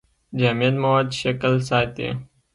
جامد مواد شکل ساتي.